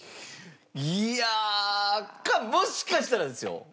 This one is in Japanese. いやあもしかしたらですよ